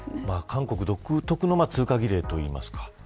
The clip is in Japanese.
韓国独特の通過儀礼というか。